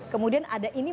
kemudian ada ini